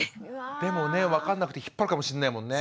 でもね分かんなくて引っ張るかもしんないもんね。